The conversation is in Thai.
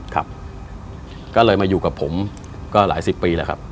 ครับก็เลยมาอยู่กับผมก็หลายสิบปีแล้วครับ